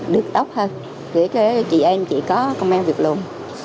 được đốc hơn để cho chị em chị có công em việc luôn